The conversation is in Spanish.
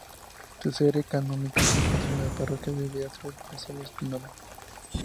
Su sede canónica se encuentra en la parroquia del Beato Marcelo Spínola.